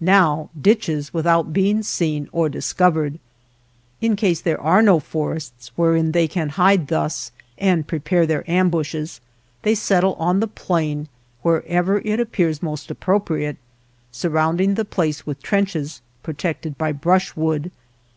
Now, ditches, without being seen or dis covered. In case there are no forests wherein they can hide thus and prepare their ambushes, they settle on the plain wherever it appears most appropriate, surrounding the place with trenches protected by brushwood.